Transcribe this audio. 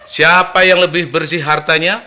siapa yang lebih bersih hartanya